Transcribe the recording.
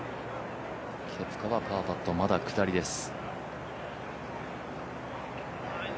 ケプカはパーパットまだ下りです。